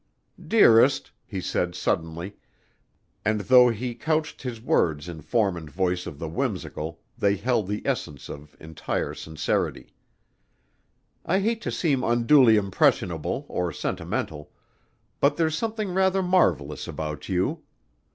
"Dearest," he said suddenly, and though he couched his words in form and voice of the whimsical they held the essence of entire sincerity, "I hate to seem unduly impressionable or sentimental but there's something rather marvelous about you.